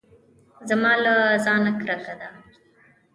زما له ځانه کرکه ده .